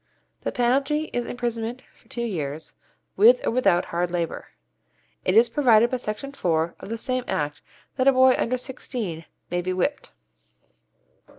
The penalty is imprisonment for two years, with or without hard labour. It is provided by Section 4 of the same Act that a boy under sixteen may be whipped.